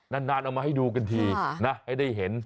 นานเอามาให้ดูกันทีนะให้ได้เห็น